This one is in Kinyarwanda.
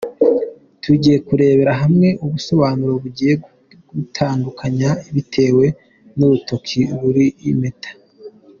Tugiye kurebera hamwe ubusobanuro bugiye butandukanye bitewe n’urutoki ruriho impeta.